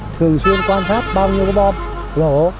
thường xuyên quan sát bao nhiêu bơm lộ